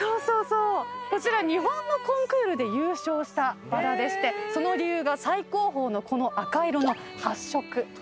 こちら日本のコンクールで優勝したバラでしてその理由が最高峰のこの赤色の発色。